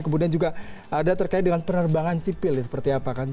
kemudian juga ada terkait dengan penerbangan sipil seperti apa kan